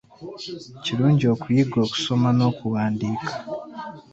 Kirungi okuyiga okusoma n’okuwandiika.